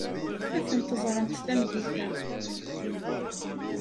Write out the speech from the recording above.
Ad tent-ẓrent tameddit-a.